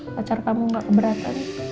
pacar kamu nggak keberatan